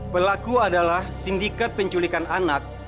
pelaku adalah sindikat penculikan anak